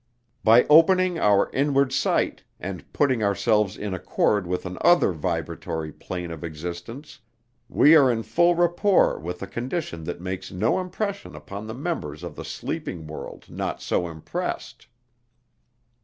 By opening our inward sight, and putting ourselves in accord with another vibratory plane of existence, we are in full rapport with a condition that makes no impression upon the members of the sleeping world not so impressed."